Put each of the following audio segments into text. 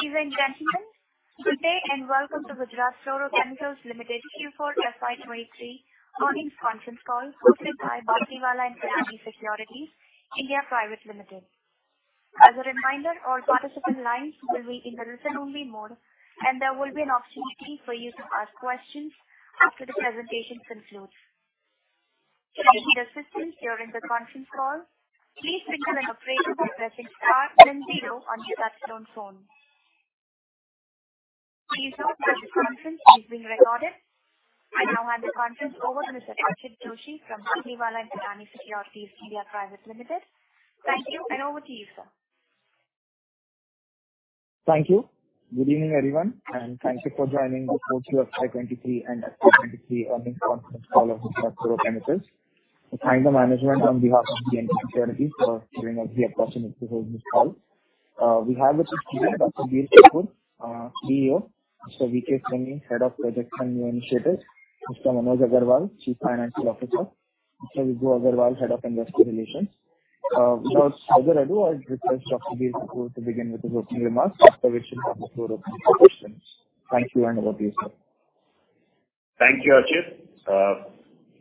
Ladies and gentlemen, good day and welcome to Gujarat Fluorochemicals Limited Q4 FY 2023 Earnings Conference call hosted by Batlivala & Karani Securities India Private Limited. As a reminder, all participant lines will be in the listen-only mode, and there will be an opportunity for you to ask questions after the presentation concludes. To make your systems during the conference call, please indicate your presence by pressing star then zero on your touchtone phone. Please note that the conference is being recorded. I now hand the conference over to Mr. Archit Shah from Batlivala & Karani Securities India Private Limited. Thank you, and over to you, sir. Thank you. Good evening, everyone, and thank you for joining the Q4 FY23 and FY23 earnings conference call of Gujarat Fluorochemicals. We thank the management on behalf of B&K Securities for giving us the opportunity to host this call. We have with us today Dr. Vivek Jain, CEO, Mr. Bir Kapoor, Head of Projects and New Initiatives, Mr. Manoj Agrawal, Chief Financial Officer, Mr. Viddesh Agarwal, Head of Investor Relations. Without further ado, I request Dr. Vivek Jain to begin with his opening remarks after which we'll have the floor open for questions. Thank you, and over to you, sir. Thank you, Archit Shah.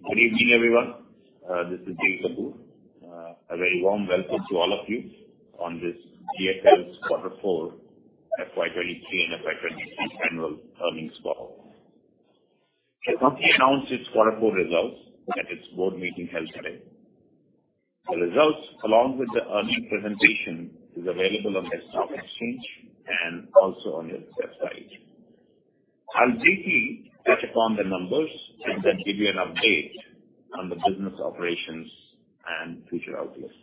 Good evening, everyone. This is Vivek Jain. A very warm welcome to all of you on this GFL's quarter four FY 2023 and FY 2023 annual earnings call. The company announced its quarter four results at its board meeting held today. The results, along with the earnings presentation, is available on the stock exchange and also on your website. I'll briefly touch upon the numbers and then give you an update on the business operations and future outlooks.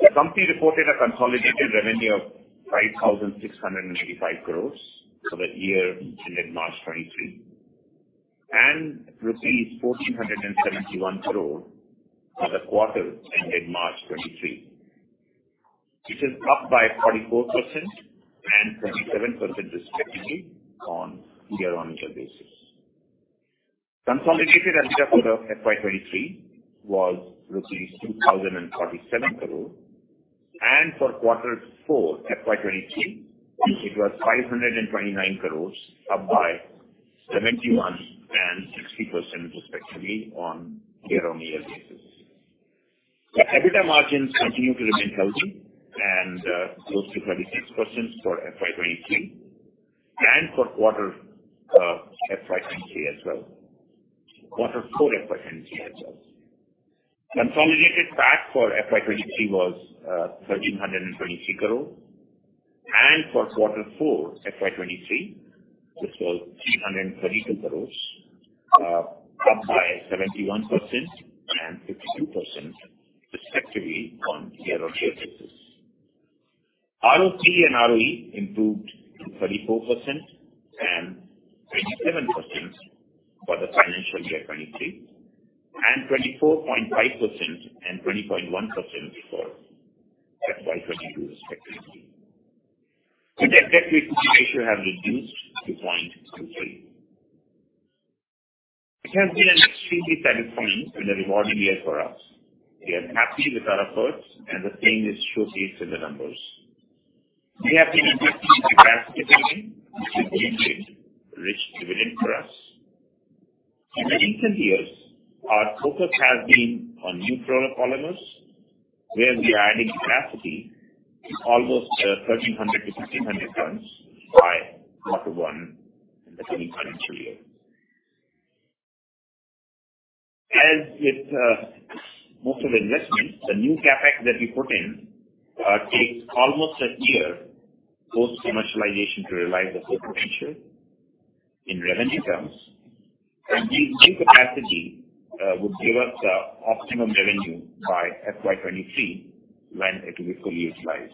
The company reported a consolidated revenue of 5,685 crore for the year ended March 2023, and rupees 1,471 crore for the quarter ending March 2023, which is up by 44% and 27% respectively on year-on-year basis. Consolidated EBITDA for FY 2023 was INR 2,047 crore. For Q4 FY 2023, it was 529 crore, up by 71% and 60% respectively on year-on-year basis. The EBITDA margins continue to remain healthy and close to 26% for FY 2023 and for Q4 FY 2023 as well. Consolidated PAT for FY 2023 was 1,323 crore. For Q4 FY 2023, this was 332 crore, up by 71% and 52% respectively on year-on-year basis. ROT and ROE improved to 34% and 27% for the financial year 2023, and 24.5% and 20.1% for FY 2022 respectively. The net debt to EBITDA ratio has reduced to 0.23. It has been an extremely satisfying and a rewarding year for us. We are happy with our efforts, the same is showcased in the numbers. We have been investing in capacity building, which will reap rich dividend for us. In the recent years, our focus has been on new fluoropolymers, where we are adding capacity to almost 1,300 to 1,500 tons by quarter one of the current financial year. As with most of investments, the new CapEx that we put in takes almost a year post-commercialization to realize the full potential in revenue terms. The new capacity would give us optimum revenue by FY 2023 when it will be fully utilized.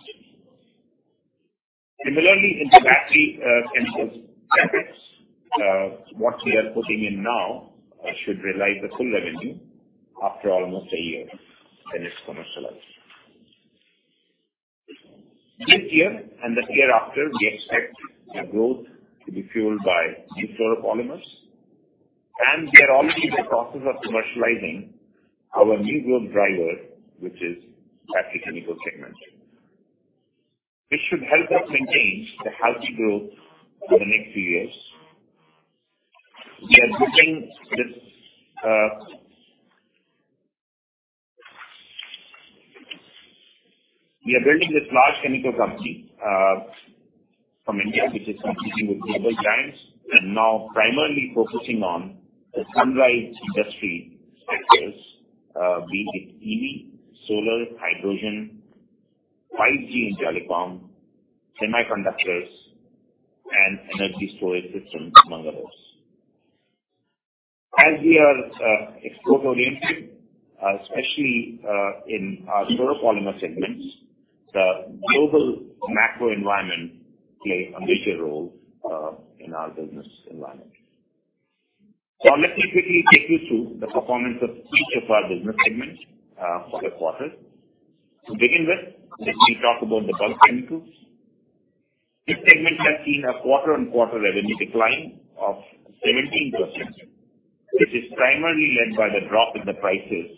Similarly, in the battery chemicals CapEx, what we are putting in now should realize the full revenue after almost a year when it's commercialized. This year and the year after, we expect the growth to be fueled by new fluoropolymers, and we are already in the process of commercializing our new growth driver, which is battery chemical segment. This should help us maintain the healthy growth for the next few years. We are building this large chemical company from India, which is competing with global giants and now primarily focusing on the sunrise industry sectors, be it EV, solar, hydrogen, 5G in telecom, semiconductors, and energy storage systems, among others. As we are export-oriented, especially in our fluoropolymer segments, the global macro environment play a major role in our business environment. Let me quickly take you through the performance of each of our business segments for the quarter. To begin with, let me talk about the bulk chemicals. This segment has seen a quarter-on-quarter revenue decline of 17%, which is primarily led by the drop in the prices,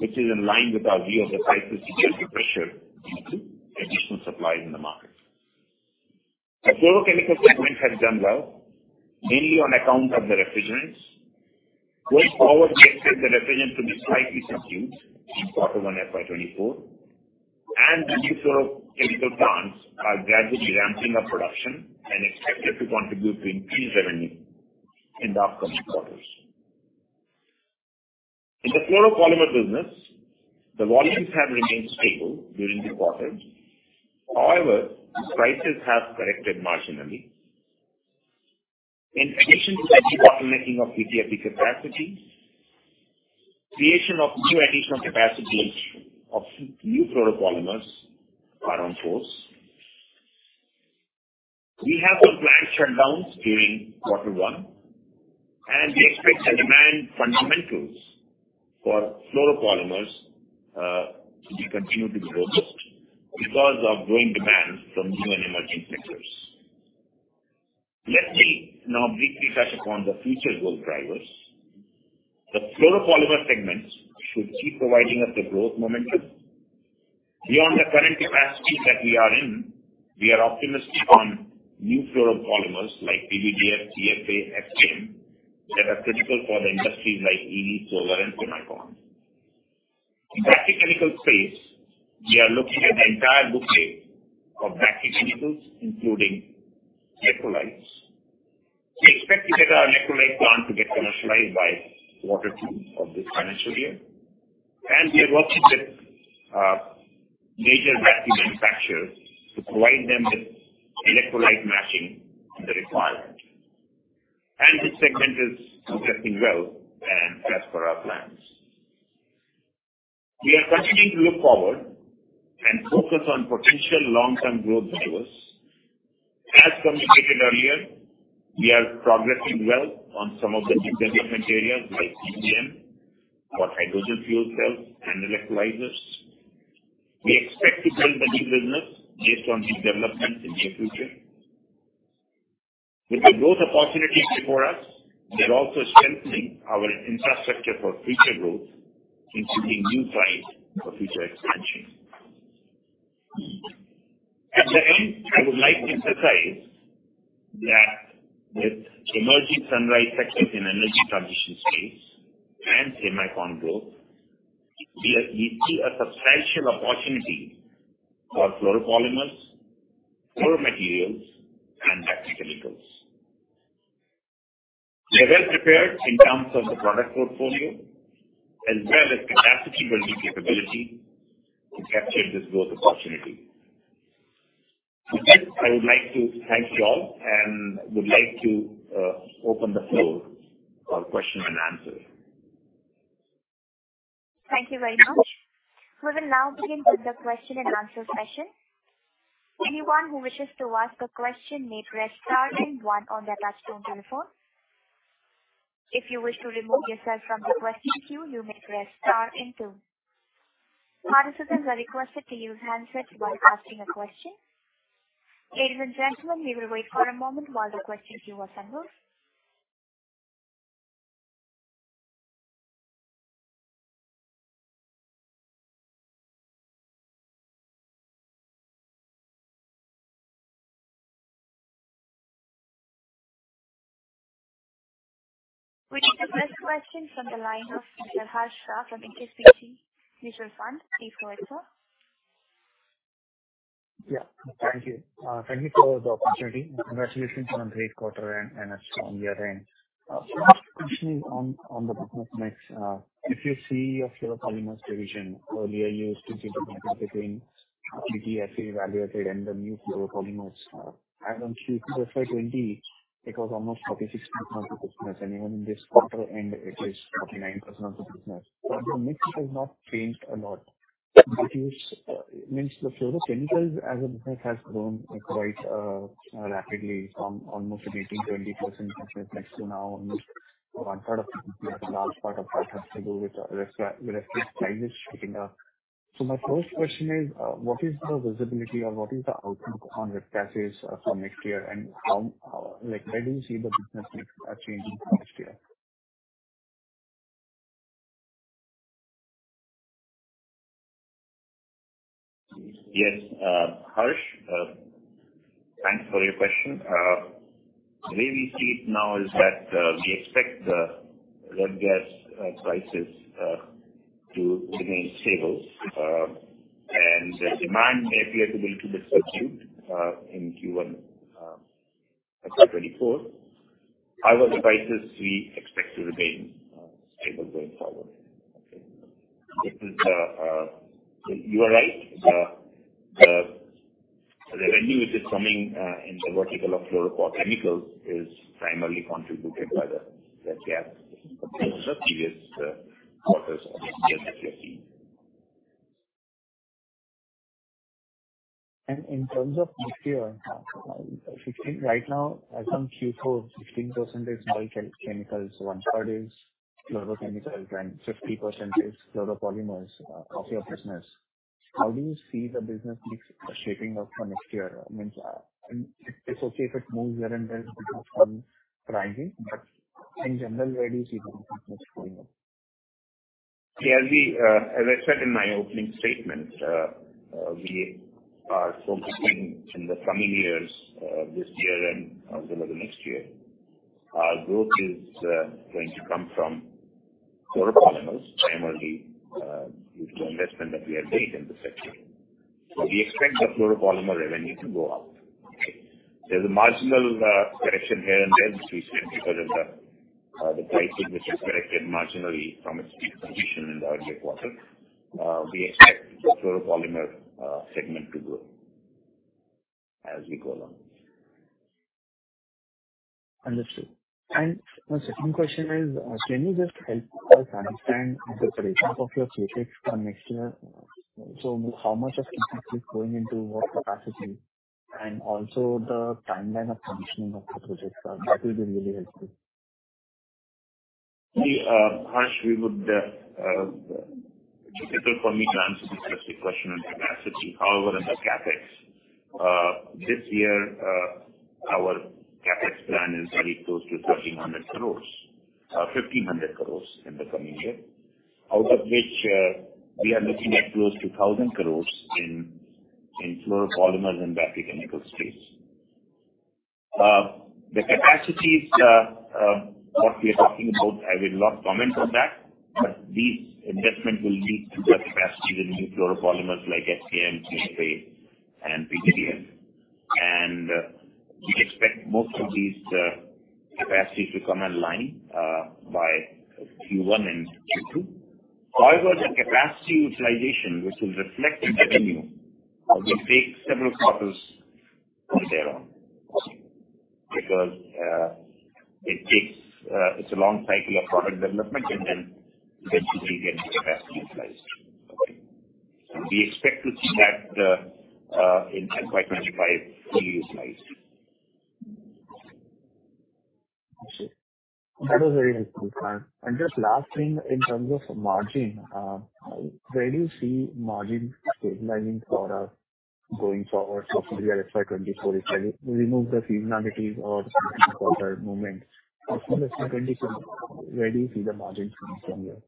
which is in line with our view of the prices due to pressure due to additional supply in the market. Our fluorochemical segment has done well, mainly on account of the refrigerants. Going forward, we expect the refrigerant to be slightly subdued in Q1 FY 2024, and the new fluorochemical plants are gradually ramping up production and expected to contribute to increased revenue in the upcoming quarters. In the fluoropolymer business, the volumes have remained stable during the quarter. However, prices have corrected marginally. In addition to the debottlenecking of ETFE capacity, creation of new additional capacities of new fluoropolymers are on course. We have some plant shutdowns during quarter one. We expect the demand fundamentals for fluoropolymers to be continued to be robust because of growing demand from new and emerging sectors. Let me now briefly touch upon the future growth drivers. The fluoropolymer segments should keep providing us the growth momentum. Beyond the current capacities that we are in, we are optimistic on new fluoropolymers like PVDF, CFA, HM, that are critical for the industries like EV, solar, and semicon. In battery chemical space, we are looking at the entire bouquet of battery chemicals, including electrolytes. We expect to get our electrolyte plant to get commercialized by quarter two of this financial year. We are working with major battery manufacturers to provide them with electrolyte matching their requirement. This segment is progressing well and as per our plans. We are continuing to look forward and focus on potential long-term growth drivers. As communicated earlier, we are progressing well on some of the new development areas like ECM for hydrogen fuel cells and electrolyzers. We expect to build the new business based on these developments in near future. With the growth opportunities before us, we are also strengthening our infrastructure for future growth, including new sites for future expansion. I would like to emphasize that with emerging sunrise sectors in energy transition space and semicon growth, we see a substantial opportunity for fluoropolymers, fluoromaterials, and New Age chemicals. We are well prepared in terms of the product portfolio as well as capacity building capability to capture this growth opportunity. I would like to thank you all and would like to open the floor for question and answer. Thank you very much. We will now begin with the question and answer session. Anyone who wishes to ask a question may press star then one on their touchtone telephone. If you wish to remove yourself from the question queue, you may press star and two. Participants are requested to use handset while asking a question. Ladies and gentlemen, we will wait for a moment while the question queue assembles. We take the first question from the line of Mr. Harsh Shah from HSBC Mutual Fund. Please go ahead, sir. Yeah. Thank you. Thank you for the opportunity. Congratulations on great quarter and a strong year end. My first question is on the business mix. If you see your fluoropolymers division, earlier you used to see the mix between ETFE, evaluated and the new fluoropolymers. I think QFY twenty, it was almost 46% of the business, and even in this quarter end, it is 49% of the business. The mix has not changed a lot, which is, means the fluorochemicals as a business has grown quite rapidly from almost an 18%, 20% business mix to now almost one third of the business. A large part of that has to do with Ref-gas prices picking up. My first question is, what is the visibility or what is the outlook on Ref-gas, for next year and how, like, where do you see the business mix, changing next year? Yes, Harsh. Thanks for your question. The way we see it now is that we expect the Ref-gas prices to remain stable. The demand may appear to be little bit subdued in Q1 FY 2024. Our prices we expect to remain stable going forward. Okay. You are right. The revenue which is coming in the vertical of fluorochemical is primarily contributed by the Ref-gas. That's what the previous quarters of this year that we have seen. In terms of next year, Right now, I think Q4, 15% is chemicals, 1/3 is fluorochemicals, and 50% is fluoropolymers of your business. How do you see the business mix shaping up for next year? I mean, it's okay if it moves here and there because from pricing. In general, where do you see the business going up? Yeah, we, as I said in my opening statement, we are focusing in the coming years, this year and as well as next year, our growth is going to come from fluoropolymers primarily, due to investment that we have made in this sector. We expect the fluoropolymer revenue to go up. There's a marginal correction here and there, which we expect because of the pricing which is corrected marginally from its peak position in the earlier quarter. We expect the fluoropolymer segment to grow as we go along. Understood. My second question is, can you just help us understand the breakup of your CapEx for next year? How much of CapEx is going into what capacity? Also the timeline of commissioning of the projects? That will be really helpful. Harsh, we would... It's difficult for me to answer the specific question on capacity. On the CapEx, this year, our CapEx plan is very close to 1,300 crores, 1,500 crores in the coming year, out of which, we are looking at close to 1,000 crores in fluoropolymers and battery chemical space. The capacities, what we are talking about, I will not comment on that, but these investments will lead to the capacity within fluoropolymers like FPM, PFA and PVDF. We expect most of these capacities to come online by Q1 and Q2. The capacity utilization which will reflect in revenue will take several quarters from there on because it takes... It's a long cycle of product development and then eventually they get capacity utilized. We expect to see that, in FY 25 fully utilized. That was very helpful. Just last thing, in terms of margin, where do you see margin stabilizing for us going forward? Hopefully our FY 24, if I remove the seasonality or quarter movement, from an FY 24, where do you see the margin coming from here?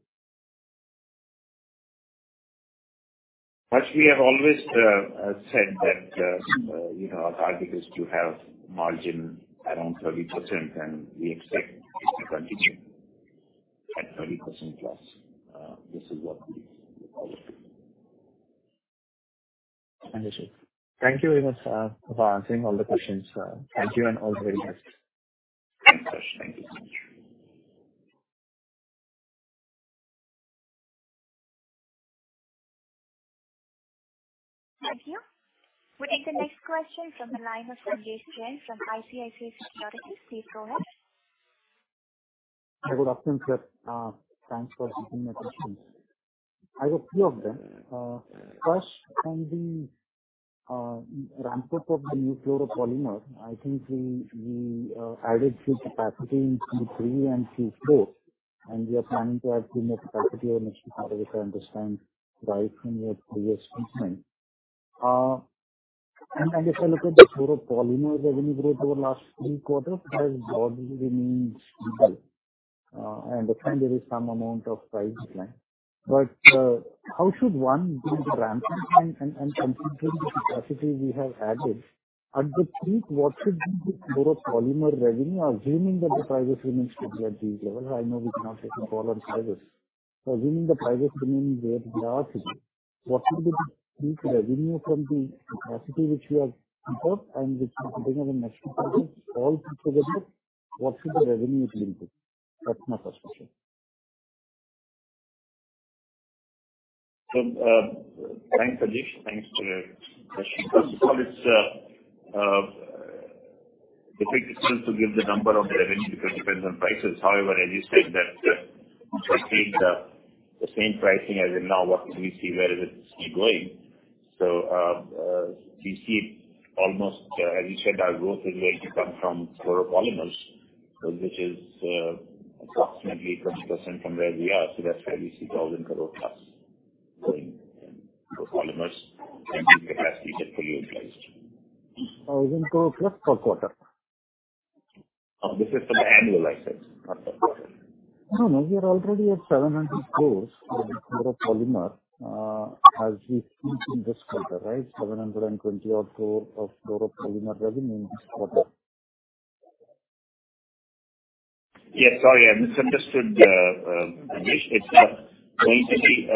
Harsh, we have always said that, you know, our target is to have margin around 30%, and we expect this to continue at 30% plus. This is what we follow. Understood. Thank you very much for answering all the questions. Thank you and all the very best. Thanks, Harsh. Thank you. Thank you. We take the next question from the line of Sanjesh Jain from ICICI Securities. Please go ahead. Good afternoon, sir. Thanks for taking my questions. I have a few of them. First on the ramp of the new fluoropolymer. I think we added new capacity in Q3 and Q4. We are planning to add few more capacity in next quarter, if I understand right from your previous statement. As I look at the fluoropolymer revenue growth over last three quarters, it has broadly remained stable. I understand there is some amount of price decline. How should one do the ramp and considering the capacity we have added, at the peak, what should be the fluoropolymer revenue, assuming that the prices remains to be at this level? I know we cannot say control on prices. Assuming the prices remain where they are today, what will be the peak revenue from the capacity which you have booked and which you're putting up in next quarter? All put together, what should the revenue peak be? That's my first question. Thanks, Sanjesh. Thanks for your question. First of all, it's difficult to give the number of revenue because it depends on prices. However, as you said that, we are seeing the same pricing as in now working, we see where will it keep going. We see almost, as you said, our growth is going to come from fluoropolymers, which is approximately 20% from where we are. That's why we see 1,000 crores plus going in fluoropolymers and the capacity get fully utilized. INR 1,000 crores plus per quarter? This is for the annual I said, not per quarter. No, no, we are already at 700 crore in the fluoropolymer, as we see in this quarter, right? 720 odd crore of fluoropolymer revenue this quarter. Yes, sorry, I misunderstood, Sanjesh. It's going to be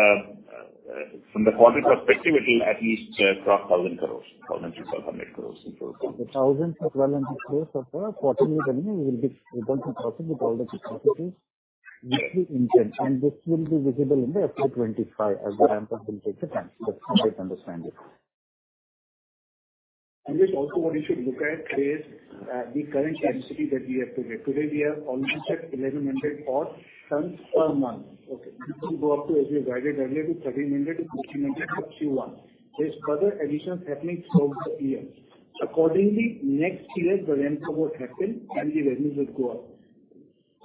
from the quarter perspective, it'll at least cross 1,000 crores. 1,000-1,200 crores in fluoropolymer. 1,000-1,200 crores of quarterly revenue will be returned to profit with all the capacities which we intend, and this will be visible in the FY 2025 as the ramp up will take the time. That's how I understand it. This also what you should look at is, the current capacity that we have today. Today we have almost at 1,100 odd tons per month, okay. This will go up to, as we guided earlier, to 1,300-1,400 in Q1. There's further addition happening throughout the year. Accordingly, next year the ramp up will happen and the revenue will go up.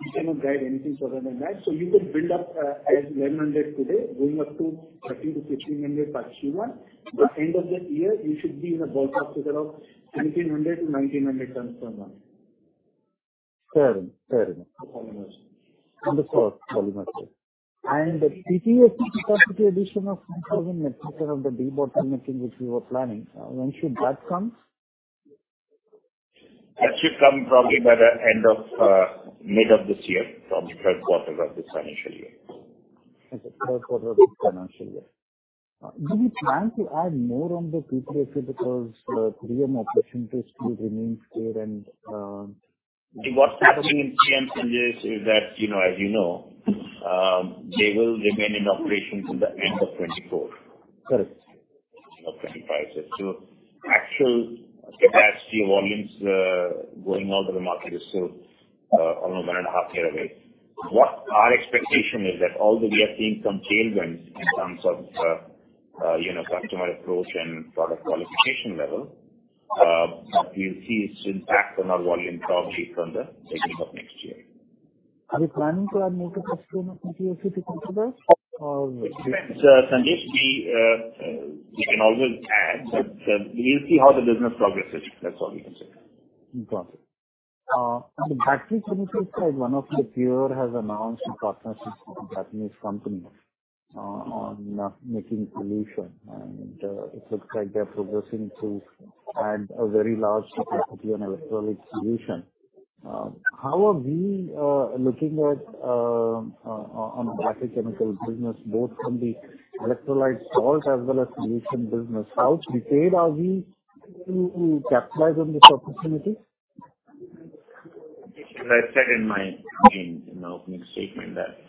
We cannot guide anything further than that. You could build up as 1,100 today going up to 1,300-1,500 per Q1. By end of that year, you should be in the ballpark figure of 1,800-1,900 tons per month. Fair enough. Fair enough. Polymers. Under core polymers. The PPA capacity addition of 5,000 metric ton of the debottlenecking which we were planning, when should that come? That should come probably by the end of, mid of this year, from third quarter of this financial year. Okay. Q3 of this financial year. Do we plan to add more on the PPA because, three more opportunities still remains there. What's happening in PEM, Sanjesh, is that, you know, they will remain in operations till the end of 2024. Correct. 25. Actual capacity volumes going out to the market is still almost one and a half year away. What our expectation is that although we are seeing some tailwinds in terms of, you know, customer approach and product qualification level, you'll see its impact on our volume probably from the beginning of next year. Are we planning to add more capacity on PPA in future? Or no. Sanjesh, we can always add, but, we'll see how the business progresses. That's all we can say. Got it. On the battery chemicals side, one of the peer has announced a partnership with a Japanese company, on making solution, and it looks like they're progressing to add a very large capacity on electrolytic solution. How are we looking at on battery chemical business both from the electrolyte salt as well as solution business? How prepared are we to capitalize on this opportunity? As I said in my opening statement that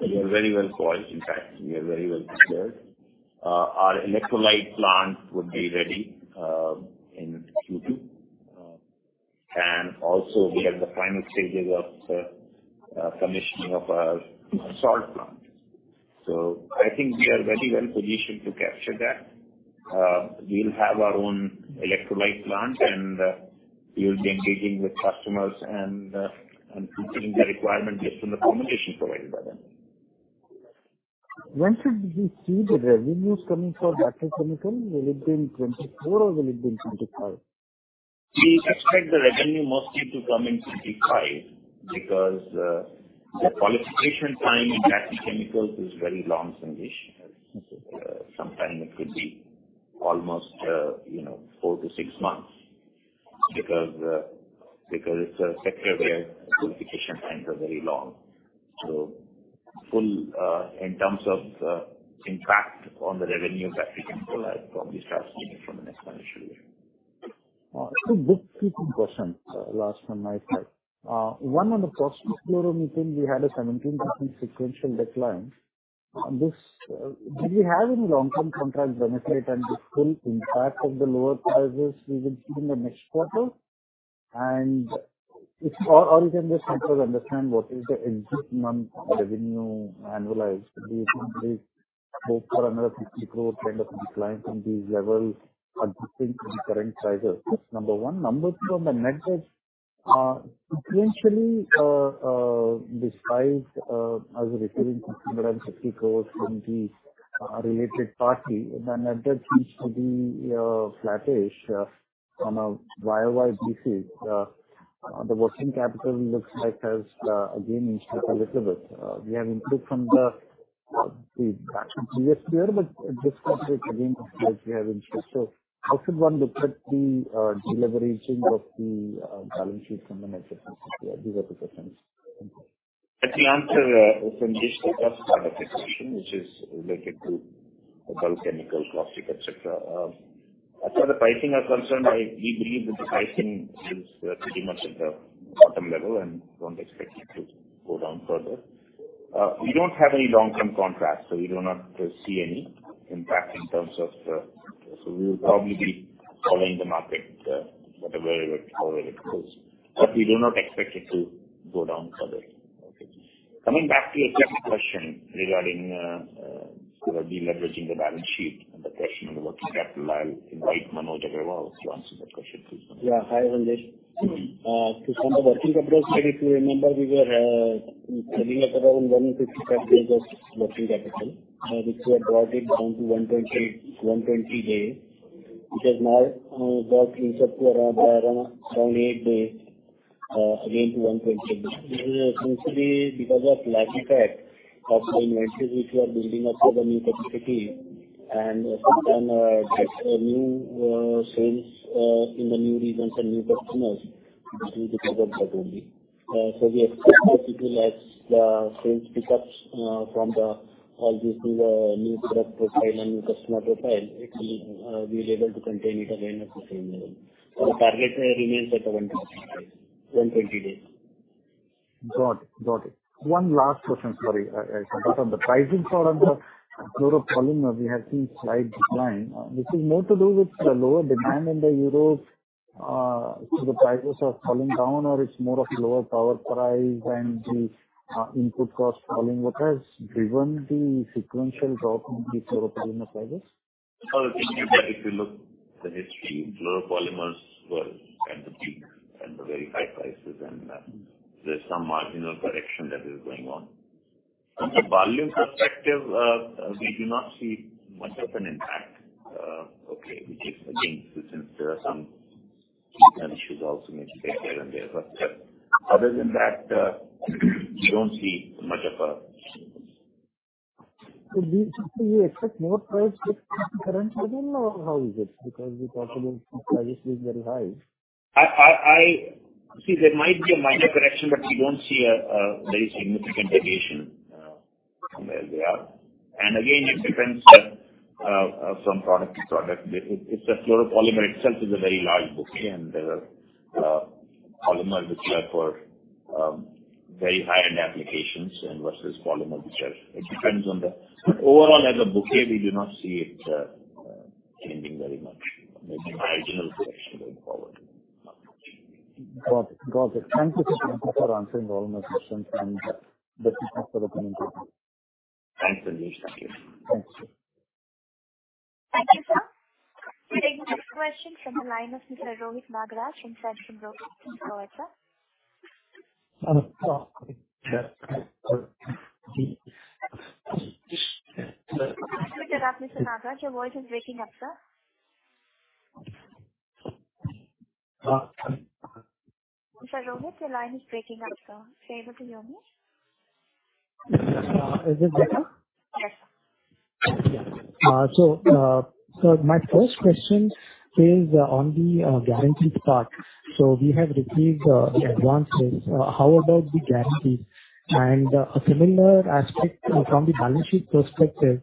we are very well poised. In fact, we are very well prepared. Our electrolyte plant would be ready in Q2. Also we are at the final stages of commissioning of our salt plant. I think we are very well positioned to capture that. We'll have our own electrolyte plant and we'll be engaging with customers and fulfilling their requirement based on the formulation provided by them. When should we see the revenues coming for battery chemical? Will it be in 2024 or will it be in 2025? We expect the revenue mostly to come in 2025 because the qualification time in battery chemicals is very long, Sanjesh. Okay. Sometime it could be almost, you know, four to six months because it's a sector where qualification times are very long. Full, in terms of impact on the revenue battery chemical, I'd probably start seeing it from the next financial year. Two quick question, last on my side. One on the caustic chloro meeting, we had a 17% sequential decline. On this, did we have any long-term contract benefit and the full impact of the lower prices we will see in the next quarter? If or you can just help us understand what is the existing month revenue annualized? Do you think it's about around a 50 crore kind of decline from these levels adjusting to the current prices? That's number one. Number two, on the net debt, sequentially, despite, as you're referring to INR 150 crore from the related party, the net debt seems to be flattish on a year-over-year basis. The working capital looks like has again increased a little bit. We have improved from the previous year, but this quarter it again looks like we have increased. How should one look at the deleveraging of the balance sheet from the net debt perspective? These are two questions. Thank you. Let me answer, Sanjesh, the first part of your question, which is related to bulk chemical, caustic, et cetera. As far as the pricing are concerned, we believe that the pricing is pretty much at the bottom level and don't expect it to go down further. We don't have any long-term contracts, so we do not see any impact in terms of... We'll probably be following the market, whatever way, however it goes. We do not expect it to go down further. Okay. Coming back to your second question regarding, you know, deleveraging the balance sheet and the question on the working capital. I'll invite Manoj Agrawal to answer that question please. Yeah. Hi, Sanjesh. On the working capital side, if you remember, we were saving up around 155 days of working capital, which we have brought it down to 120 days, which has now got increased up to around 8 days, again to 128 days. This is essentially because of lag effect of the inventories which we are building up for the new capacity and sometime, just a new sales in the new regions and new customers, which will be because of that only. We expect that it will as the sales picks up from all these new product profile and new customer profile, it will we'll be able to contain it again at the same level. The target remains at 120 days. Got it. Got it. One last question. Sorry. On the pricing side on the Chloromethane, we have seen slight decline. This is more to do with the lower demand in Europe, so the prices are falling down, or it's more of lower power price and the input cost falling. What has driven the sequential drop in the Chloromethane prices? The history fluoropolymers were at the peak and the very high prices, and there's some marginal correction that is going on. From the volume perspective, we do not see much of an impact. Okay, which is again, since there are some issues also may be there here and there. Other than that, we don't see much of a... Do you simply expect more price with current volume, or how is it? We talked about prices is very high. I See, there might be a minor correction, but we don't see a very significant deviation from where we are. Again, it depends from product to product. The fluoropolymer itself is a very large bouquet, and there are polymer which are for very high-end applications and versus polymer which are. It depends on the. Overall, as a bouquet, we do not see it changing very much. There's a marginal correction going forward. Got it. Thank you, sir. Thank you for answering all my questions and the team for the presentation. Thanks, Sanjesh. Thank you. Thanks, sir. Thank you, sir. We'll take next question from the line of Mr. Rohit Nagraj from Centrum Broking. Go ahead, sir. Hello. Hello. Yeah. Mr. Nagraj, your voice is breaking up, sir. Uh, can- Sir Rohit, your line is breaking up, sir. Are you able to hear me? Is this better? Yes, sir. Yeah. My first question is on the guarantees part. We have received the advances. How about the guarantees? A similar aspect from the balance sheet perspective,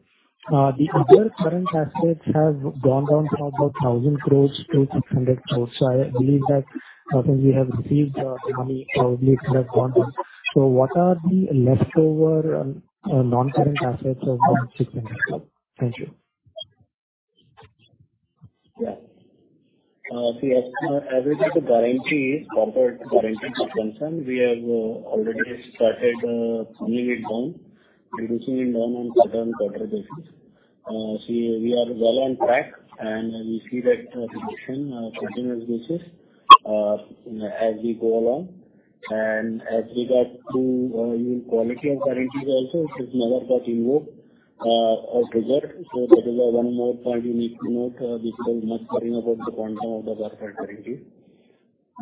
the other current assets have gone down from about 1,000 crores to 600 crores. I believe that since we have received the money, probably it has gone down. What are the leftover non-current assets of those 600 crores? Thank you. See as related to guarantee, as far as guarantee is concerned, we have already started pulling it down, reducing it down on quarter-on-quarter basis. See, we are well on track and we see that reduction on continuous basis, you know, as we go along. As regard to your quality of guarantees also, it is never got invoked or triggered. That is one more point you need to note. We should not much worry about the quantum of the back end guarantee.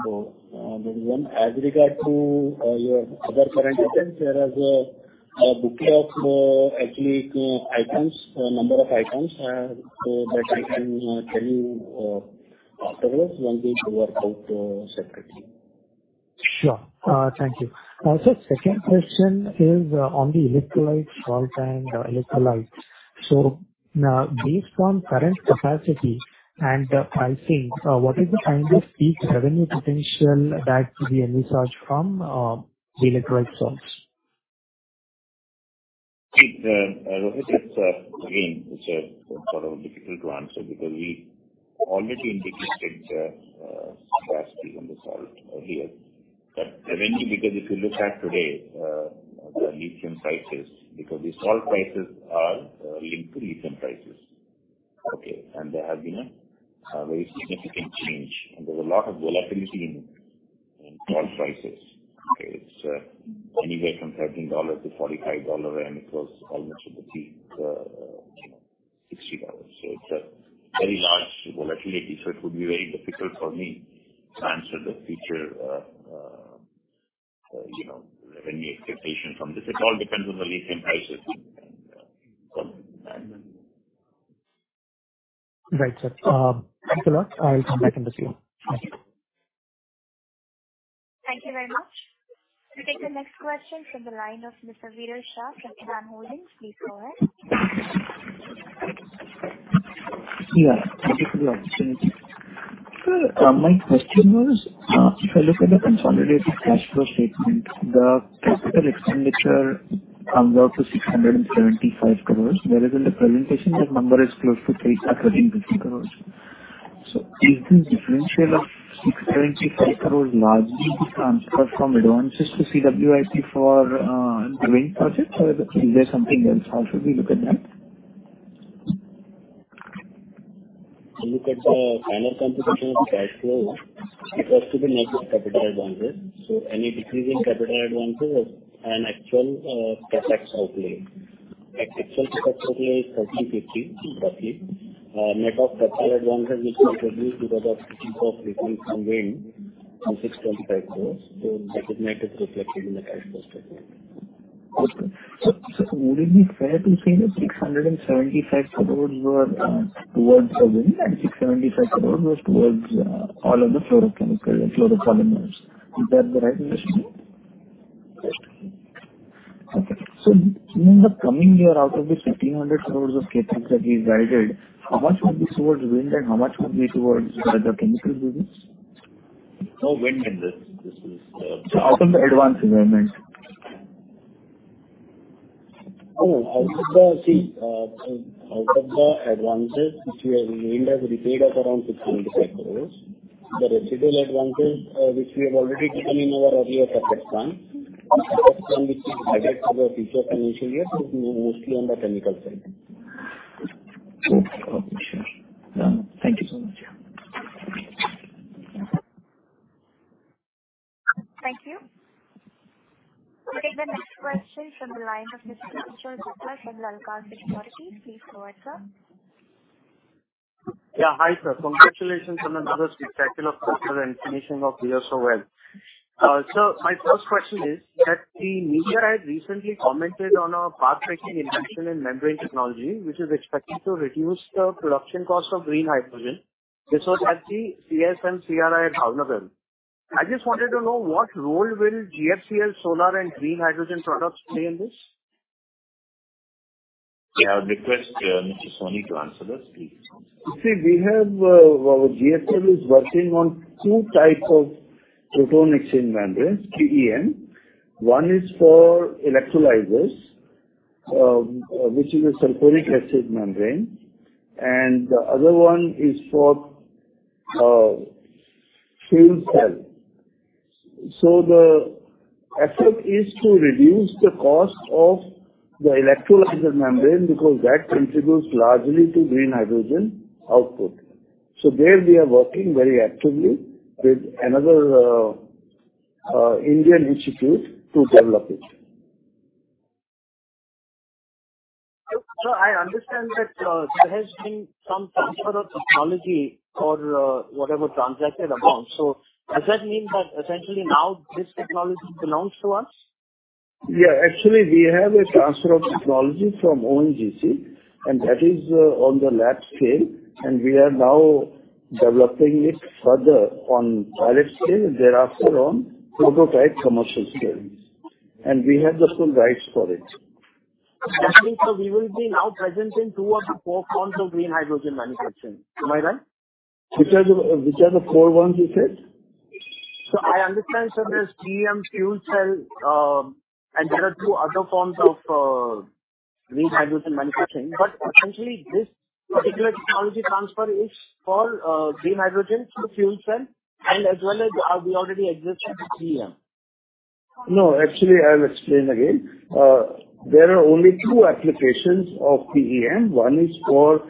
That is one. As regard to your other current assets, there is a bouquet of actually items, number of items, so that I can tell you afterwards. You want me to work out separately? Sure. Thank you. Second question is on the electrolytes, salt and electrolytes. Based on current capacity and pricing, what is the kind of peak revenue potential that we envisage from the electrolyte salts? See, the, Rohit, it's again a sort of difficult to answer because we already indicated capacities on the salt earlier. Mainly because if you look at today, the lithium prices, because the salt prices are linked to lithium prices. Okay. There has been a very significant change, and there's a lot of volatility in salt prices. Okay. It's anywhere from $13-$45, and it was almost at the peak, you know, $60. It's a very large volatility, so it would be very difficult for me to answer the future, you know, revenue expectation from this. It all depends on the lithium prices. Right, sir. Thanks a lot. I'll come back in the queue. Thank you. Thank you very much. We'll take the next question from the line of Mr. Viraj Shah from Edelweiss. Please go ahead. Yeah. Thank you for the opportunity. Sir, my question was, if I look at the consolidated cash flow statement, the capital expenditure comes out to 675 crores, whereas in the presentation that number is close to 3,050 crores. Is the differential of 675 crores largely the transfer from advances to CWIP for the wind project, or is there something else? How should we look at that? If you look at the final computation of cash flow, it was to the negative capital advances. Any decrease in capital advances is an actual CapEx outlay. Actual CapEx outlay is INR 1,350 roughly. Net of capital advances which we introduced because of receipt of payment from wind is INR 625 crores. That is negative reflected in the cash flow statement. Would it be fair to say that 675 crores were towards the wind and 675 crores was towards all of the fluorochemicals and fluoropolymers? Is that the right way to see it? Yes. Okay. In the coming year, out of the 1,500 crores of CapEx that we've guided, how much would be towards wind and how much would be towards the other chemical business? No wind in this. This is. Out of the advance environment. Oh, out of the advances which we have made as repaid of around 16,000 crore. The residual advantage which we have already taken in our earlier CapEx run, which will be added to the future financial year is mostly on the chemical side. Okay. Okay, sure. Yeah. Thank you so much. Yeah. Thank you. We'll take the next question from the line of Mr. Anshul Gupta from Prabhudas Lilladher. Please go ahead, sir. Yeah. Hi, sir. Congratulations on another spectacular quarter and finishing off the year so well. My first question is that the media has recently commented on a path-breaking invention in membrane technology, which is expected to reduce the production cost of green hydrogen. This was at the CSIR-CGCRI at Howrah. I just wanted to know what role will GFL solar and green hydrogen products play in this? Yeah. I would request Mr. Soni to answer this, please. You see, we have our GFCL is working on two types of proton exchange membranes, PEM. One is for electrolyzers, which is a sulfuric acid membrane, and the other one is for fuel cell. The effort is to reduce the cost of the electrolyzer membrane, because that contributes largely to green hydrogen output. There we are working very actively with another Indian institute to develop it. I understand that there has been some transfer of technology for whatever transacted amount. Does that mean that essentially now this technology belongs to us? Yeah. Actually, we have a transfer of technology from ONGC, and that is on the lab scale, and we are now developing it further on pilot scale, and thereafter on prototype commercial scales. We have the full rights for it. That means, we will be now present in 2 of the 4 forms of green hydrogen manufacturing. Am I right? Which are the 4 ones you said? I understand, sir, there's PEM fuel cell, and there are 2 other forms of green hydrogen manufacturing. Essentially this particular technology transfer is for green hydrogen through fuel cell and as well as, we already exist in the PEM. No, actually, I'll explain again. There are only 2 applications of PEM. One is for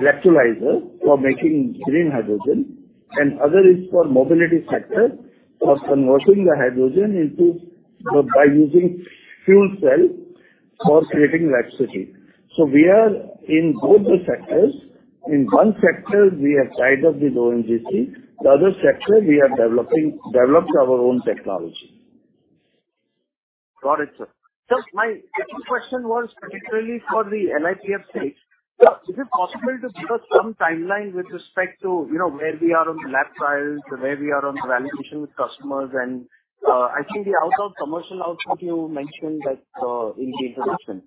electrolyzer, for making green hydrogen, and other is for mobility sector, for converting the hydrogen into... by using fuel cell for creating electricity. We are in both the sectors. In one sector we have tied up with ONGC, the other sector we developed our own technology. Got it, sir. My second question was specifically for the LiPF6. Yeah. Is it possible to give us some timeline with respect to, you know, where we are on the lab trials, where we are on validation with customers and, actually the out of commercial output you mentioned that, in the introduction?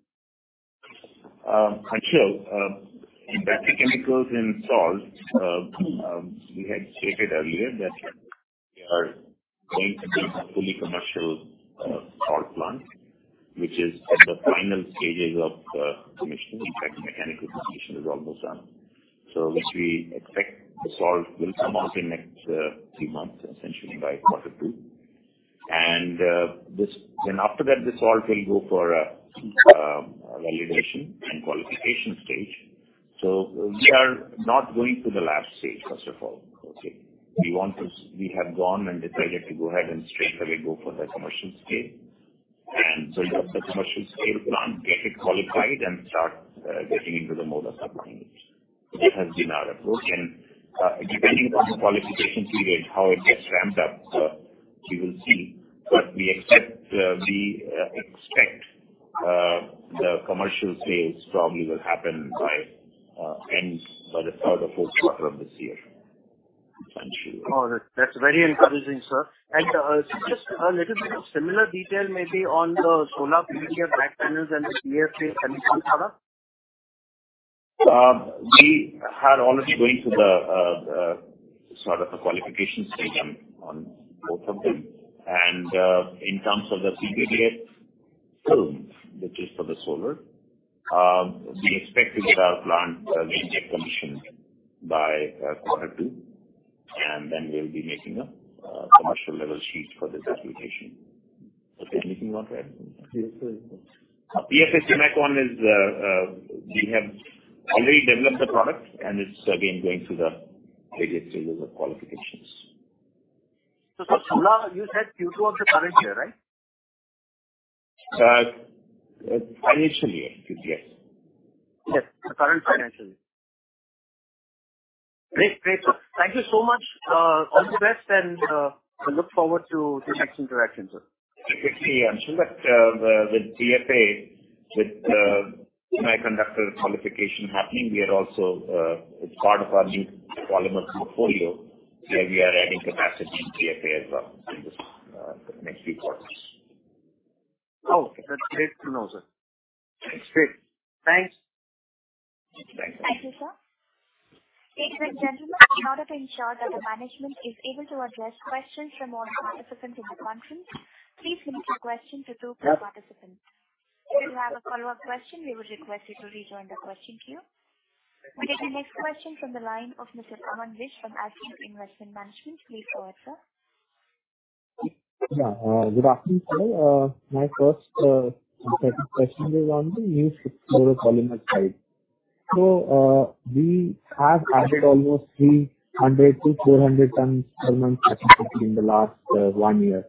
Anshul, in basic chemicals in salts, we had stated earlier that we are going to be a fully commercial salt plant, which is at the final stages of commissioning. In fact, mechanical commissioning is almost done. Which we expect the salt will come out in next 3 months, essentially by quarter two. Then after that, the salt will go for validation and qualification stage. We are not going to the lab stage, first of all. Okay? We have gone and decided to go ahead and straightaway go for the commercial scale. With the commercial scale plant, get it qualified and start getting into the mode of supplying it. This has been our approach. Depending on the qualification period, how it gets ramped up, we will see. We expect the commercial phase probably will happen by the third or fourth quarter of this year, essentially. Oh, that's very encouraging, sir. Just a little bit of similar detail maybe on the solar PVDF back panels and the CFA semiconductor? We are already going through the sort of a qualification stage on both of them. In terms of the PVDF films, which is for the solar, we expect to get our plant commissioned by quarter two, and then we'll be making a commercial level sheet for this application. Okay. Anything you want to add? Yes, very good. CFS semiconductor is, we have already developed the product and it's again going through the various stages of qualifications. Solar you said Q2 of the current year, right? Financial year. Yes. Yes. The current financial year. Great. Great, sir. Thank you so much. All the best, and, I look forward to the next interaction, sir. Anshul, with CFA, with semiconductor qualification happening, we are also, it's part of our new polymer portfolio where we are adding capacity in CFA as well in this, next few quarters. Oh, that's great to know, sir. That's great. Thanks. Thanks. Thank you, sir. Ladies and gentlemen, in order to ensure that the management is able to address questions from all participants in the conference, please limit your question to two per participant. If you have a follow-up question, we would request you to rejoin the question queue. We take the next question from the line of Mr. Aman Vij from Asit C. Mehta Investment Management. Please go ahead, sir. Yeah. Good afternoon, sir. My first and second question is on the new fluoropolymer side. We have added almost 300-400 tons per month capacity in the last 1 year.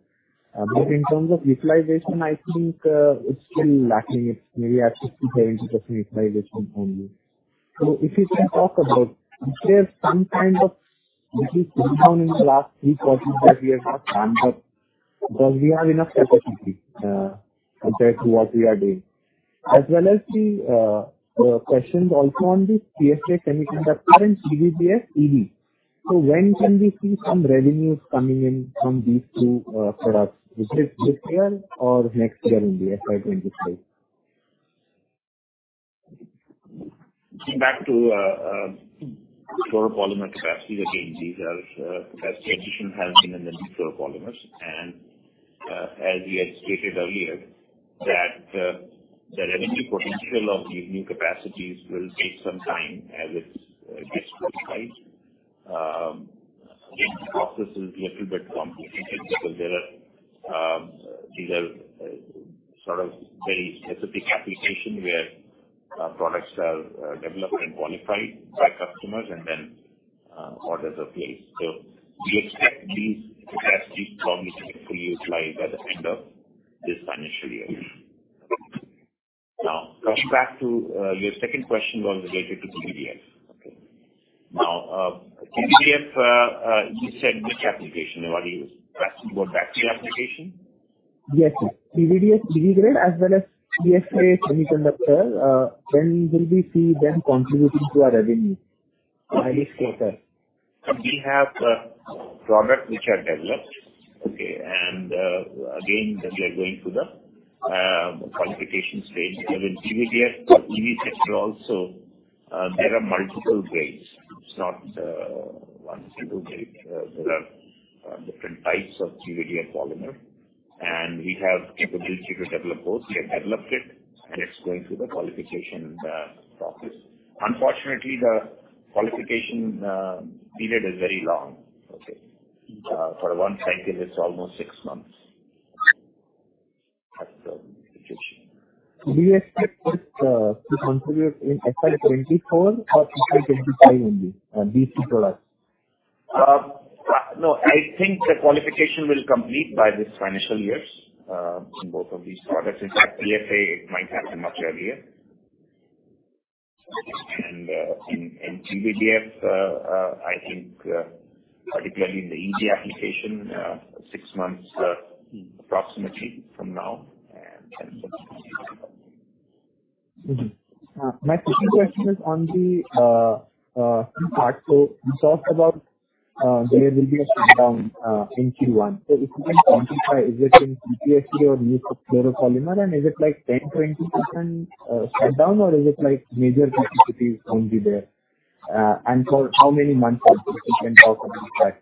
In terms of utilization, I think it's still lacking. It's maybe at 60%-70% utilization only. If you can talk about, is there some kind of business slowdown in the last 3 quarters that we have not planned up because we have enough capacity compared to what we are doing. As well as the question also on the PFA for semiconductor, current PVDF EV. When can we see some revenues coming in from these two products? Is it this year or next year in the FY 2023? Coming back to fluoropolymer capacity, again, these are capacity addition has been in the fluoropolymers. As we had stated earlier that the revenue potential of these new capacities will take some time as it gets certified. This process is little bit complicated because there are these are sort of very specific application where our products are developed and qualified by customers and then orders are placed. We expect these capacities to be fully utilized by the end of this financial year. Coming back to your second question was related to PVDF. PVDF, you said which application? What you asking about battery application? Yes, yes. PVDF degree as well as PFA for semiconductor, when will we see them contributing to our revenue? I mean, scale, sir. We have products which are developed, okay. Again, we are going through the qualification stage. Even PVDF for EV sector also, there are multiple grades. It's not one single grade. There are different types of PVDF polymer, and we have capability to develop those. We have developed it, and it's going through the qualification process. Unfortunately, the qualification period is very long. Okay. Mm-hmm. For 1 cycle it's almost 6 months. That's the situation. Do you expect this to contribute in FY 2024 or FY 2025 only, these two products? No, I think the qualification will complete by this financial year, in both of these products. In fact, PSA, it might happen much earlier. In PVDF, I think, particularly in the EV application, 6 months approximately from now, and then My second question is on the 2 parts. You talked about there will be a shutdown in Q1. If you can quantify, is this in PFPE or new fluoropolymer, and is it like 10%-20% shutdown, or is it like major capacities won't be there? For how many months, if you can talk about that.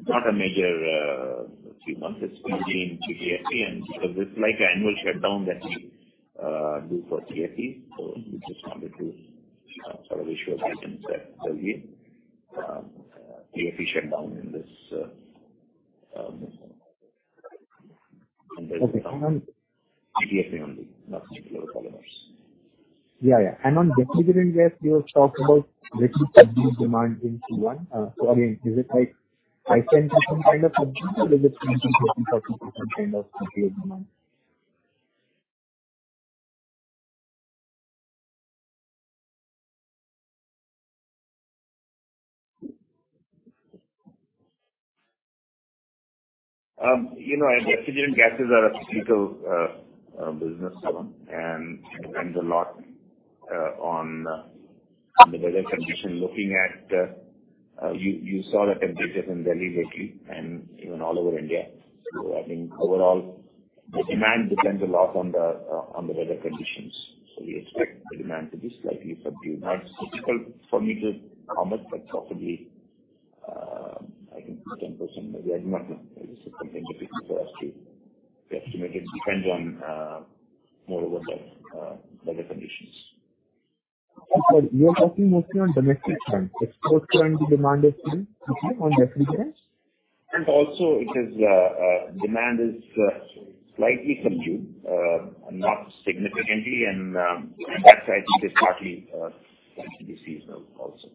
It's not a major, few months. It's mainly in PFPE, and because it's like annual shutdown that we do for PFPE. We just wanted to sort of assure our investors earlier, PFPE shutdown in this PFPE only, not fluoropolymers. Yeah. On the refrigerant gas, you have talked about little subdued demand in Q1. Again, is it like high 10% kind of subdued or is it 20%, 30% kind of subdued demand? You know, refrigerant gases are a cyclical business, and it depends a lot on the weather condition. Looking at, you saw the temperatures in Delhi lately and even all over India. I think overall the demand depends a lot on the weather conditions. We expect the demand to be slightly subdued. It's difficult for me to comment, but probably, I think it's 10% maybe. I do not know. This is something which is for us to estimate. It depends on more over the weather conditions. Sorry. You are talking mostly on domestic front. Exports currently demand is still okay on refrigerants? Also it is, demand is slightly subdued, not significantly. That I think is partly seasonal also.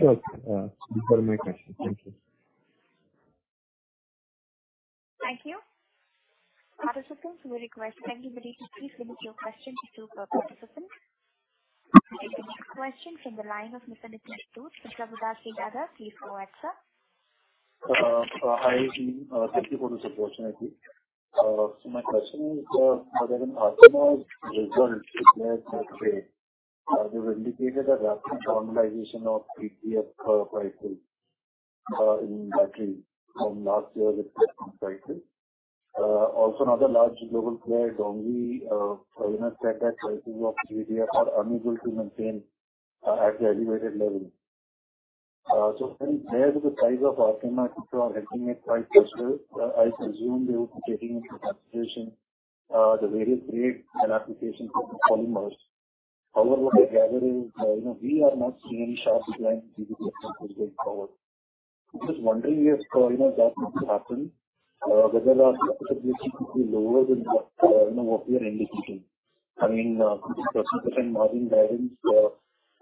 Sure. These are my questions. Thank you. Thank you. Participants, we request everybody to please limit your questions to participants. We take the next question from the line of Mr. Nitin Zutti from DAM Capital Advisors. Please go ahead, sir. Hi. Thank you for this opportunity. So my question is whether in Arkema's results declared yesterday, they've indicated a rapid normalization of PVDF prices in battery from last year with current prices. Also another large global player, Dongyue Group partner said that prices of PVDF are unable to maintain at the elevated level. So there is a size of our inaudible I presume they will be taking into consideration the various grades and applications of the polymers. However, what I gather is, you know, we are not seeing sharp decline in PVDF prices going forward. I'm just wondering if, you know, that could happen, whether our profitability could be lower than what, you know, what we are indicating. I mean, could this % margin guidance, you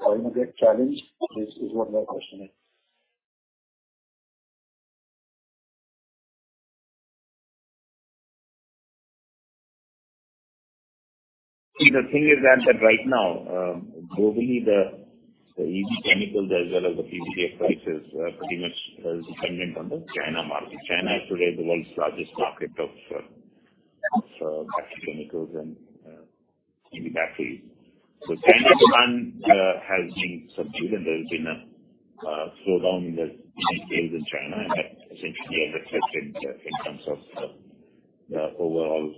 know, get challenged? Is what my question is? See, the thing is that right now, globally the EV chemicals as well as the PVC prices are pretty much dependent on the China market. China is today the world's largest market of battery chemicals and EV batteries. China demand has been subdued, and there has been a slowdown in sales in China, and that essentially is reflected in terms of the overall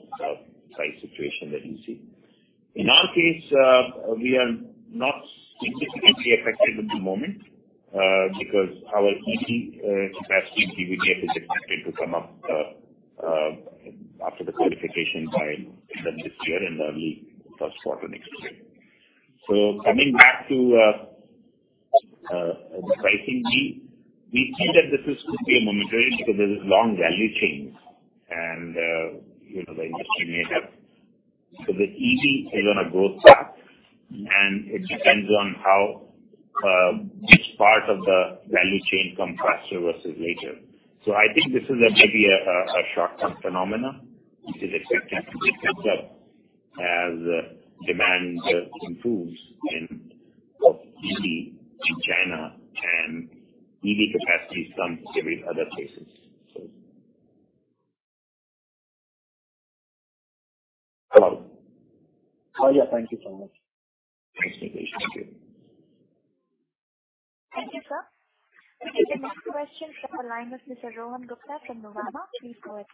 price situation that you see. In our case, we are not significantly affected at the moment, because our EV capacity, PVC capacity to come up after the qualification by end of this year and early first quarter next year. Coming back to the pricing key, we think that this is strictly a momentary because there's long value chains and, you know, the industry may have... The EV is on a growth path, and it depends on how which part of the value chain comes faster versus later. I think this is a, maybe a short-term phenomena, which is expected to get better as demand improves in, of EV in China and EV capacity comes from every other places. Oh, yeah. Thank you so much. Thanks, Nitin. Thank you. Thank you, sir. We'll take the next question from the line of Mr. Rohan Gupta from Nomura. Please go ahead,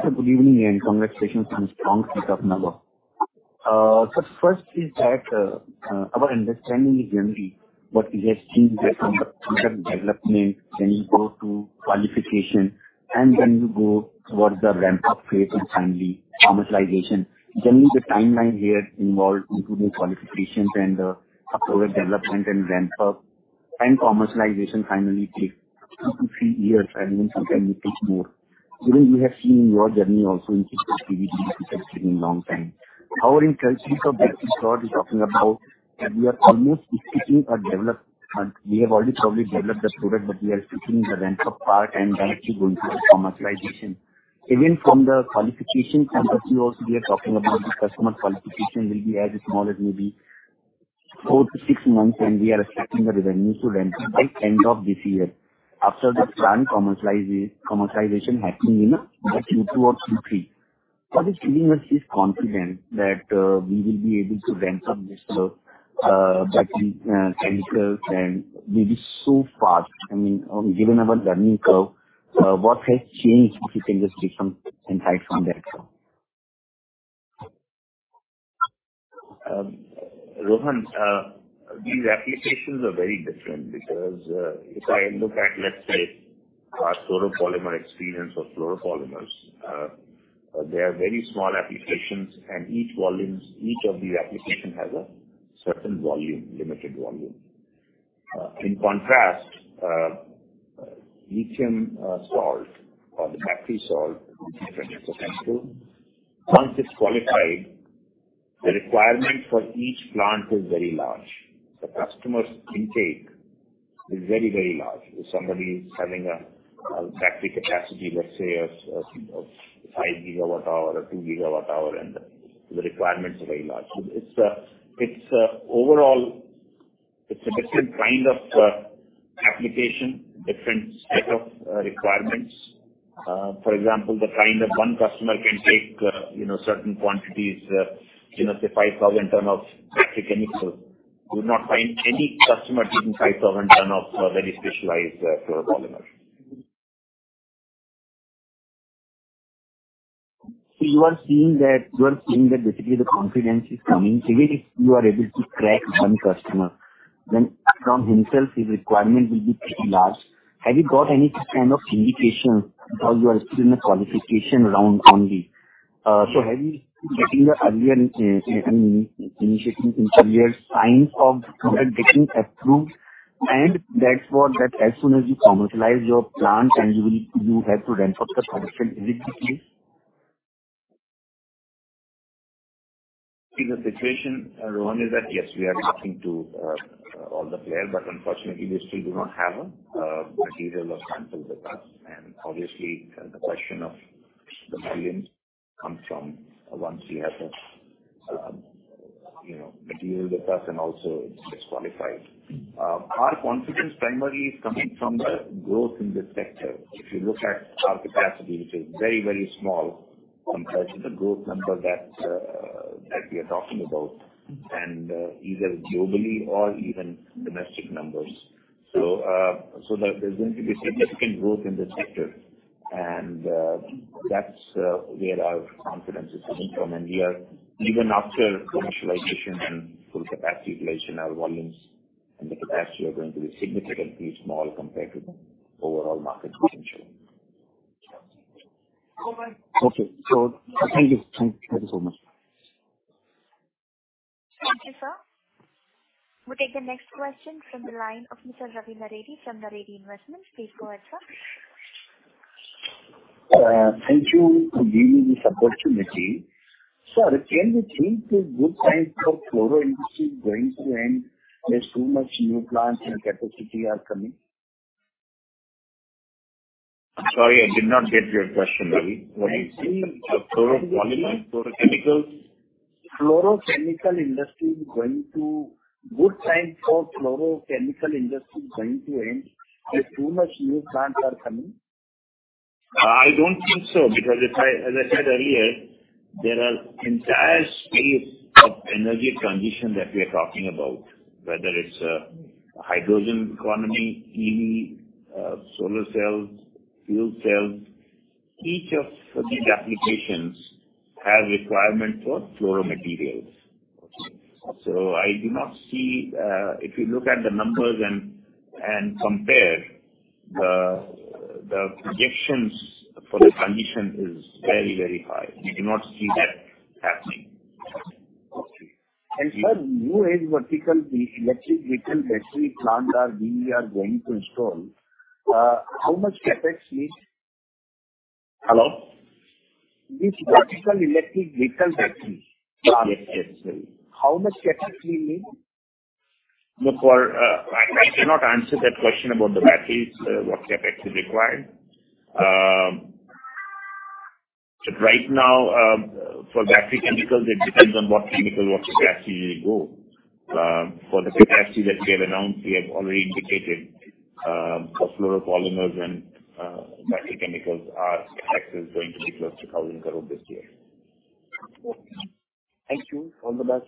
sir. Good evening. Congratulations on strong set up number. First is that, our understanding is generally what we have seen is that from the product development, then you go to qualification, and then you go towards the ramp-up phase and finally commercialization. Generally, the timeline here involved into the qualifications and product development and ramp up and commercialization finally takes 2-3 years and even sometimes it takes more. Even you have seen in your journey also in PVC it has taken a long time. In case of battery salt we're talking about that we are almost executing or we have already probably developed the product, but we are sitting in the ramp-up part and directly going to the commercialization. Again, from the qualification perspective also we are talking about the customer qualification will be as small as maybe four to six months, and we are expecting the revenue to ramp by end of this year. After that plan commercialize, commercialization happening in Q2 or Q3. What is giving us this confidence that we will be able to ramp up this battery chemicals and will be so fast? I mean, given our learning curve, what has changed in this industry from insights from that front? Rohan, these applications are very different because if I look at, let's say our fluoropolymer experience or fluoropolymers, they are very small applications and each of these application has a certain volume, limited volume. In contrast, lithium salt or the battery salt is different. Thank you. Once it's qualified, the requirement for each plant is very large. The customer's intake is very large. If somebody is having a factory capacity, let’s say of, you know, 5 gigawatt hour or 2 gigawatt hour, the requirements are very large. It's overall a different kind of application, different set of requirements. For example, the kind of one customer can take, you know, certain quantities, you know, say 5,000 ton of battery chemical. You will not find any customer taking 5,000 tons of very specialized fluoropolymer. You are seeing that basically the confidence is coming. If you are able to crack one customer, then from himself his requirement will be pretty large. Have you got any kind of indications or you are still in the qualification round only? Have you getting the earlier initiating in earlier signs of product getting approved and that's what that as soon as you commercialize your plant and you will, you have to ramp up the production immediately? See the situation, Rohan, is that, yes, we are talking to all the players, unfortunately they still do not have a material or samples with us. Obviously the question of the millions comes from once he has a, you know, material with us and also it gets qualified. Our confidence primarily is coming from the growth in this sector. If you look at our capacity, which is very, very small compared to the growth number that we are talking about and either globally or even domestic numbers. There's going to be significant growth in this sector. That's where our confidence is coming from. Even after commercialization and full capacity utilization, our volumes and the capacity are going to be significantly small compared to the overall market potential. Over. Okay. Thank you. Thank you so much. Thank you, sir. We'll take the next question from the line of Mr. Ravi Naredi from the Naredi Investment. Please go ahead, sir. Thank you for giving me this opportunity. Sir, can we think a good time for fluoro industry going to end as too much new plants and capacity are coming? Sorry, I did not get your question, Ravi. What do you think of fluoropolymers, fluorochemicals? Good time for fluorochemical industry going to end as too much new plants are coming. I don't think so, because as I said earlier, there are entire space of energy transition that we are talking about, whether it's hydrogen economy, EV, solar cells, fuel cells, each of these applications have requirement for fluoro materials. Okay. I do not see, if you look at the numbers and compare, the projections for the transition is very high. We do not see that happening. Okay. sir, New Age vertical, the electric vehicle battery plant. We are going to install, how much CapEx? Hello? Which vertical electric vehicle battery plant. Yes. Yes, sorry. How much CapEx we need? Look, for, I cannot answer that question about the batteries, what CapEx is required. Right now, for battery chemicals, it depends on what chemical, what capacity we go. For the capacity that we have announced, we have already indicated, for fluoropolymers and battery chemicals, our CapEx is going to be close to 1,000 crore this year. Okay. Thank you. All the best.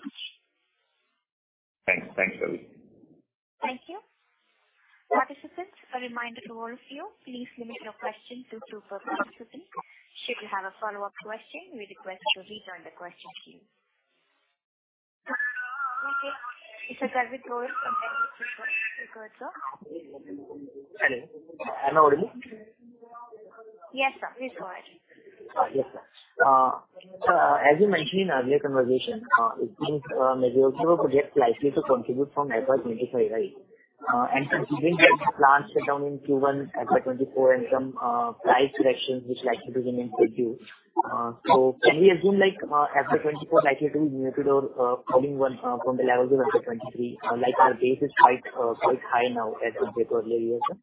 Thanks. Thanks, Ravi. Thank you. Participants, a reminder to all of you, please limit your question to two per participant. Should you have a follow-up question, we request to rerun the question to you. Okay. Mr. Ravi Grover from HDFC Hello. Am I audible? Yes, sir. Please go ahead. Yes, sir. As you mentioned in earlier conversation, it seems MIA-oxime could get likely to contribute from FY 2025, right? And considering that plants shut down in Q1 FY 2024 and some price corrections which likely to begin in Q2, can we assume, like, FY 2024 likely to be muted or falling one from the levels of FY 2023? Like our base is quite high now as compared to earlier years, sir.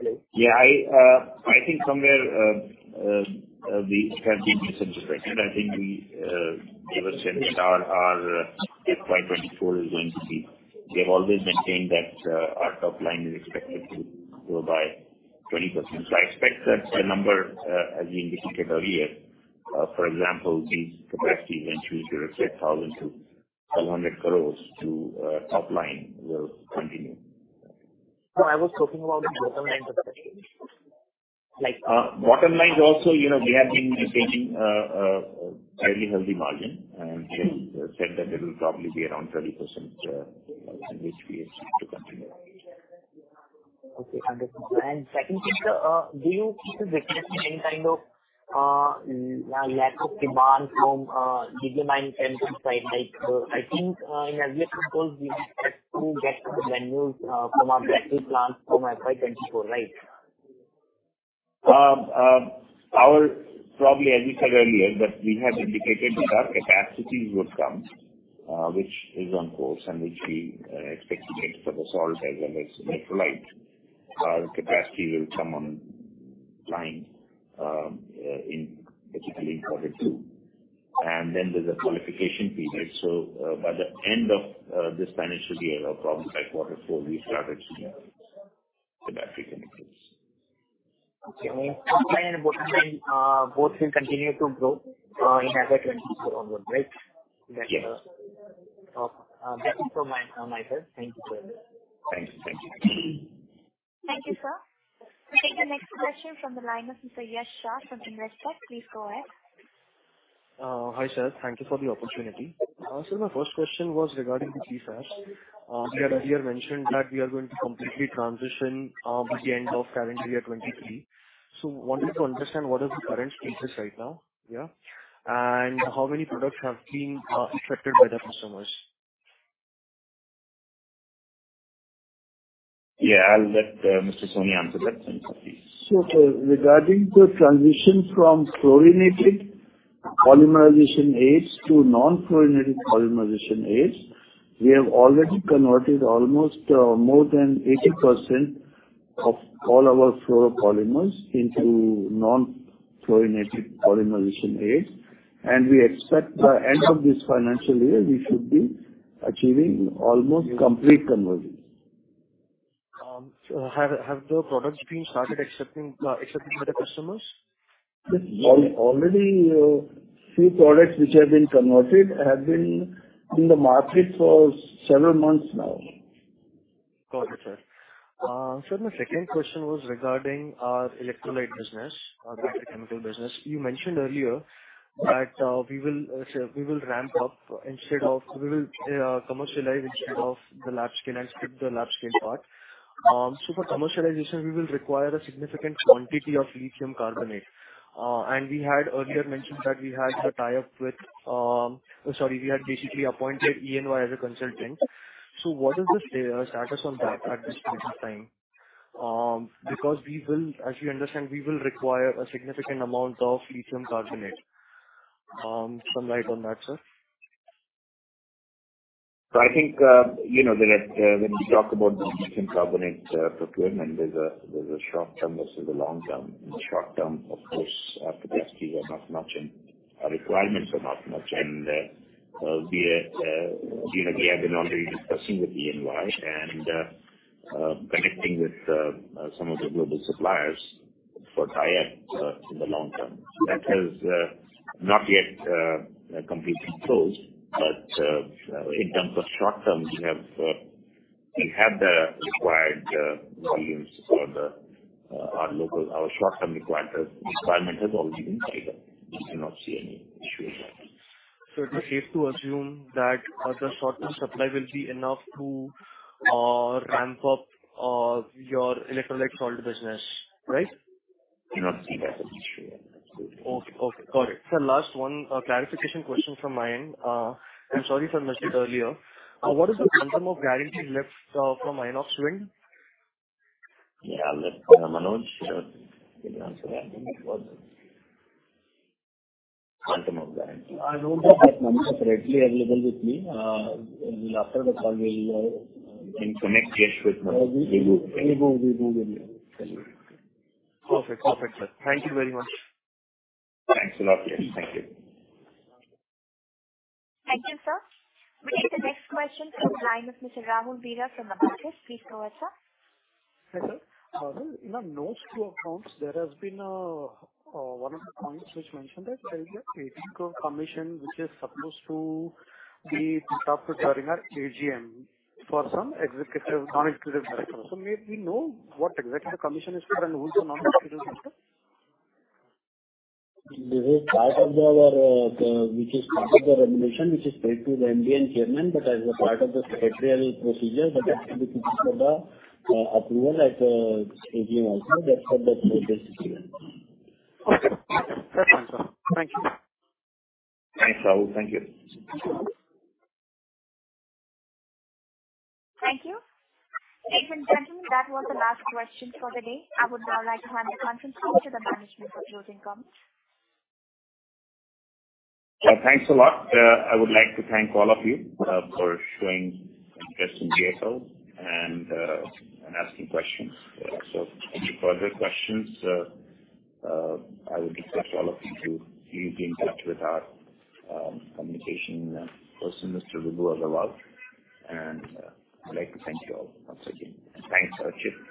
Hello? Yeah. I think somewhere, we have been misinterpreted. I think we gave a sense that our FY 2024 is going to be... We have always maintained that our top line is expected to grow by 20%. I expect that the number, as we indicated earlier, for example, these capacities when choose, say, 1,000 crores-700 crores to top line will continue. No, I was talking about the bottom line expectations. Bottom line is also, you know, we have been maintaining a fairly healthy margin. We said that it will probably be around 30%, which we expect to continue with. Okay, understood. Second thing, sir, do you see any kind of lack of demand from lithium-ion chemical side? Like, I think, in earlier calls we expect to get the revenues from our battery plant from FY 24, right? Probably as we said earlier, that we have indicated that our capacities would come, which is on course and which we expect to get from the salt as well as Methanol. Our capacity will come on line, particularly in quarter two. Then there's a qualification period. By the end of this financial year or probably by quarter four, we started shipping the battery chemicals. Okay. Top line and bottom line, both will continue to grow, in FY 2024 onward, right? Yes. That's all. That is all my, myself. Thank you, sir. Thanks. Thank you. Thank you, sir. We'll take the next question from the line of Mr. Yash Shah from Investec. Please go ahead. Hi, sir. Thank you for the opportunity. My first question was regarding the PFAS. We had earlier mentioned that we are going to completely transition by the end of calendar year 23. Wanted to understand what is the current status right now. Yeah. How many products have been accepted by the customers? Yeah. I'll let Mr. Soni answer that one for me. Regarding the transition from fluorinated polymerization aids to non-fluorinated polymerization aids, we have already converted almost more than 80% of all our fluoropolymers into non-fluorinated polymerization aids. We expect by end of this financial year, we should be achieving almost complete conversion. Have the products been accepted by the customers? Already, few products which have been converted have been in the market for several months now. Got it, sir. Sir, my second question was regarding our electrolyte business, our battery chemical business. You mentioned earlier that we will commercialize instead of the lab scale and skip the lab scale part. For commercialization, we will require a significant quantity of lithium carbonate. We had earlier mentioned that we had the tie-up with... Sorry, we had basically appointed EY as a consultant. What is the status on that at this point in time? Because we will, as you understand, we will require a significant amount of lithium carbonate. Some light on that, sir. I think, you know, when we talk about the lithium carbonate procurement, there's a short term versus the long term. In the short term, of course, activities are not much and our requirements are not much, we, you know, we have been already discussing with EY and connecting with some of the global suppliers for tie-ups in the long term. That has not yet completely closed, in terms of short term, we have the required volumes for our local, our short-term requirement has already been tied up. We do not see any issue with that. It's safe to assume that the short-term supply will be enough to ramp up your electrolyte salt business, right? Do not see that as an issue. Okay. Okay. Got it. Sir, last one, clarification question from my end. I'm sorry if I missed it earlier. What is the quantum of guarantee left, from Inox Wind? Yeah. I'll let Manoj, he'll answer that. I think it was... Quantum of guarantee. I don't have that number, sir. It's readily available with me. After the call we will. You can connect Yash with Manoj. We will get you. Perfect. Perfect, sir. Thank you very much. Thanks a lot, Yash. Thank you. Thank you, sir. We'll take the next question from the line of Mr. Rahul Vira from Abacus. Please go ahead, sir. Hello. Rahul. In our notes to accounts, there has been one of the points which mentioned that there is a ethical commission which is supposed to be discussed during our AGM for some executive, non-executive directors. may we know what exactly the commission is for and who is the non-executive director? This is part of our, which is part of the remuneration which is paid to the MD and chairman. As a part of the secretarial procedure that has to be put before the approval at AGM also. That's what that process is given. Okay. Very nice, sir. Thank you. Thanks, Rahul. Thank you. Thank you. Ladies and gentlemen, that was the last question for the day. I would now like to hand the conference call to the management for closing comments. Yeah, thanks a lot. I would like to thank all of you for showing interest in GFL and asking questions. Any further questions, I would request all of you to please be in touch with our communication person, Mr. Vidhun Agarwal. I'd like to thank you all once again. Thanks, Chip.